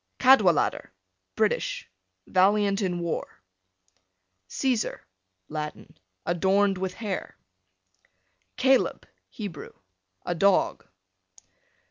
C Cadwallader, British, valiant in war. Caesar, Latin, adorned with hair. Caleb, Hebrew, a dog.